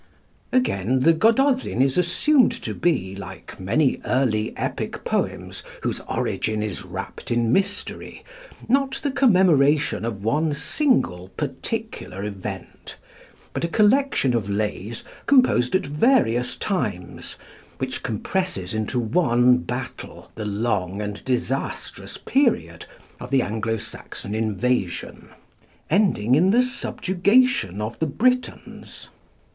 Again the 'Gododin' is assumed to be, like many early epic poems whose origin is wrapped in mystery, not the commemoration of one single, particular event, but a collection of lays composed at various times, which compresses into one battle the long and disastrous period of the Anglo Saxon invasion, ending in the subjugation of the Britons.